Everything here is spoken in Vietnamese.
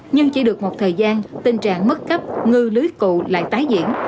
nhưng chỉ được một thời gian tình trạng mất cấp ngư lưới cụ lại tái diễn